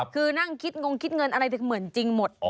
คือนั่งคิดงงคิดเงินอะไรเหมือนจริงหมด